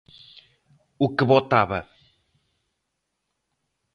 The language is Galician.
O que votaba.